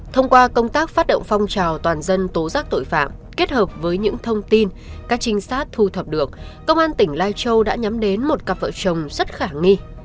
thông qua công tác phát động phong trào toàn dân tố giác tội phạm kết hợp với những thông tin các trinh sát thu thập được công an tỉnh lai châu đã nhắm đến một cặp vợ chồng rất khả nghi